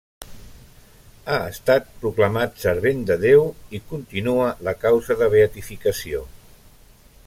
Ha estat proclamat Servent de Déu i continua la causa de beatificació.